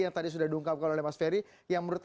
yang tadi sudah diungkapkan oleh mas ferry yang menurut